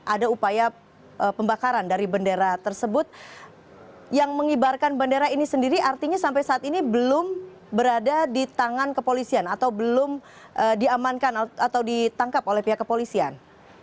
ada upaya pembakaran dari bendera tersebut yang mengibarkan bendera ini sendiri artinya sampai saat ini belum berada di tangan kepolisian atau belum diamankan atau ditangkap oleh pihak kepolisian